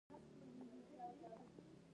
د وینې د غوړ لپاره د مڼې سرکه او اوبه وڅښئ